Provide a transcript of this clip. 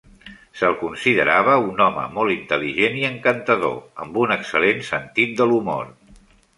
Se'l considerava un home molt intel·ligent i encantador, amb un excel·lent sentit de l'humor.